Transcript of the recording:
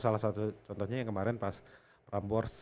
salah satu contohnya yang kemarin pas prambors